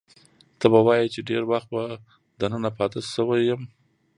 ته به وایې چې ډېر وخت به دننه پاتې شوی یم.